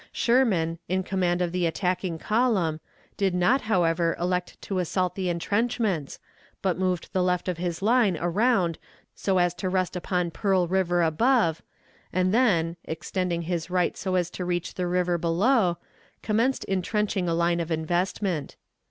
Sherman, in command of the attacking column, did not, however, elect to assault the intrenchments, but moved the left of his line around so as to rest upon Pearl River above, and then, extending his right so as to reach the river below, commenced intrenching a line of investment.